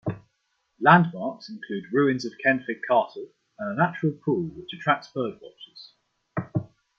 Landmarks include ruins of Kenfig Castle, and a natural pool which attracts birdwatchers.